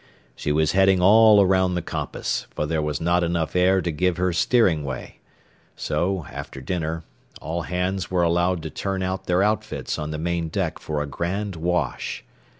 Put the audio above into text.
She was heading all around the compass, for there was not enough air to give her steering way; so, after dinner, all hands were allowed to turn out their outfits on the main deck for a grand wash.